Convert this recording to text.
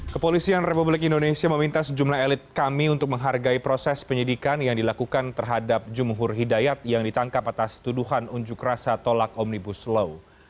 kepolisian republik indonesia meminta sejumlah elit kami untuk menghargai proses penyidikan yang dilakukan terhadap jumur hidayat yang ditangkap atas tuduhan unjuk rasa tolak omnibus law